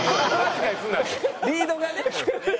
リードがね。